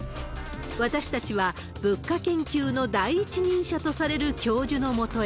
私たちは、物価研究の第一人者とされる教授のもとへ。